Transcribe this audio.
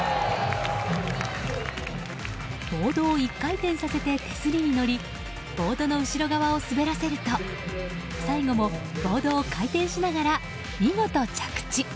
ボードを１回転させて手すりに乗りボードの後ろ側を滑らせると最後も、ボードを回転しながら見事、着地。